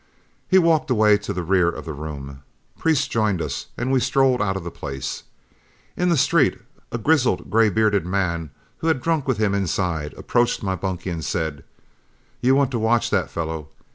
He walked away to the rear of the room, Priest joined us, and we strolled out of the place. In the street, a grizzled, gray bearded man, who had drunk with him inside, approached my bunkie and said, "You want to watch that fellow.